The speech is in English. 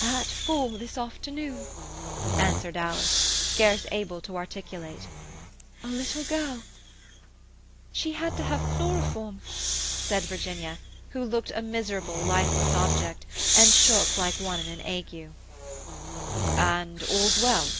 "At four this afternoon," answered Alice, scarce able to articulate. "A little girl." "She had to have chloroform," said Virginia, who looked a miserable, lifeless object, and shook like one in an ague. "And all's well?"